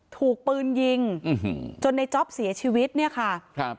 ถูกปืนยิงจนในจ๊อปเสียชีวิตเนี่ยค่ะครับ